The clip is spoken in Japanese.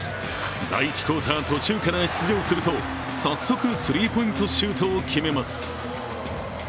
第１クオーター途中から出場すると、早速スリーポイントシュートを決めます。